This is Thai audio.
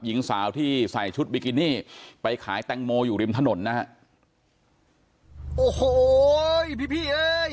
หญิงสาวที่ใส่ชุดบิกินี่ไปขายแตงโมอยู่ริมถนนนะฮะโอ้โหพี่พี่เอ้ย